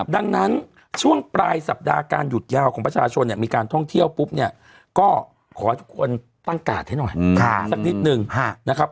ดังนั้นช่วงปลายสัปดาห์การหยุดยาวของประชาชนเนี่ยมีการท่องเที่ยวปุ๊บเนี่ยก็ขอให้ทุกคนตั้งกาดให้หน่อยสักนิดนึงนะครับ